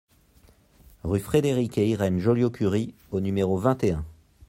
Rue Frédéric et Irène Joliot-Curie au numéro vingt et un